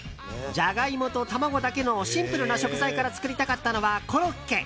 ジャガイモと卵だけのシンプルな食材から作りたかったのは、コロッケ。